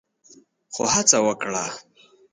خو هڅه وکړه